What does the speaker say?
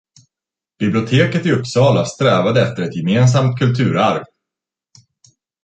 Biblioteket i Uppsala strävade efter ett gemensamt kulturarv